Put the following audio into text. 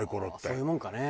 そういうもんかね。